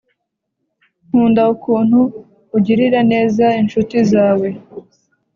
nkunda ukuntu ugirira neza inshuti zawe